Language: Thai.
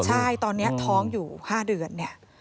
ใช่ตอนนี้ท้องอยู่๕เดือนเนี่ย